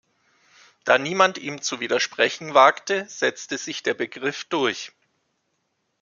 Da niemand ihm zu widersprechen wagte, setzte sich der Begriff durch.